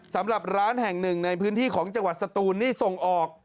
สำหรับร้านแห่งหนึ่งในพื้นที่ของจังหวัดสตูนนี่ส่งออก